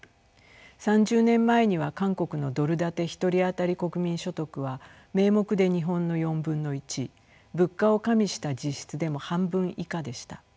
３０年前には韓国のドル建て１人当たり国民所得は名目で日本の４分の１物価を加味した実質でも半分以下でした。